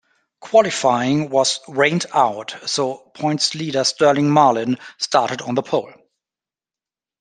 Qualifying was rained out, so points leader Sterling Marlin started on the pole.